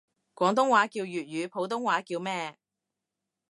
廣東話叫粵語，普通話叫咩？